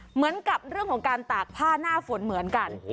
เหมือนกับเรื่องของการตากผ้าหน้าฝนเหมือนกัน